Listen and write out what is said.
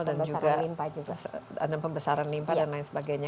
dan juga ada pembesaran limpa dan lain sebagainya